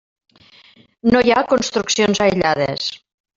No hi ha construccions aïllades.